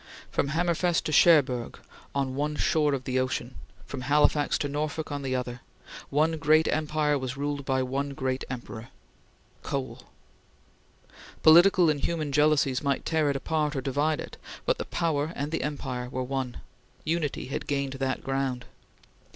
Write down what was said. From Hammerfest to Cherbourg on one shore of the ocean from Halifax to Norfolk on the other one great empire was ruled by one great emperor Coal. Political and human jealousies might tear it apart or divide it, but the power and the empire were one. Unity had gained that ground.